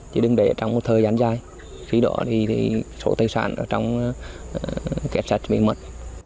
chỉ đừng để trong một thời gian dài khi đó thì số tài sản trong kết sát bị mất